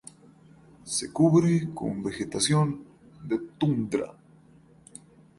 Se cubre con vegetación de tundra.